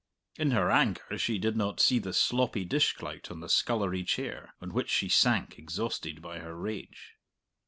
In her anger she did not see the sloppy dishclout on the scullery chair, on which she sank exhausted by her rage.